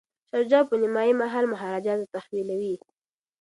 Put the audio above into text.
شاه شجاع به نیمایي مال مهاراجا ته تحویلوي.